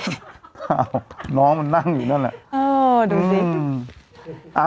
อ้าวน้องมันนั่งอยู่นั่นแหละ